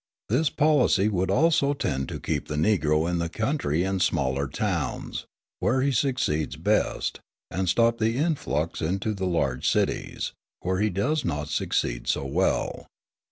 This policy would also tend to keep the Negro in the country and smaller towns, where he succeeds best, and stop the influx into the large cities, where he does not succeed so well.